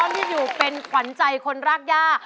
ที่อยู่เป็นขวัญใจคนรากย่า